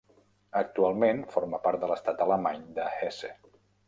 Actualment forma part de l"estat alemany de Hesse.